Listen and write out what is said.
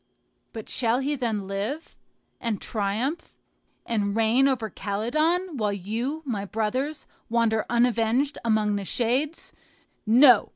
But shall he then live, and triumph, and reign over Calydon, while you, my brothers, wander unavenged among the shades? No!